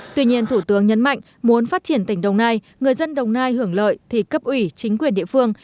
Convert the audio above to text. tuy nhiên thủ tướng nhấn mạnh muốn phát triển tỉnh đồng nai người dân đồng nai hưởng lợi thì cấp ủy chính quyền địa phương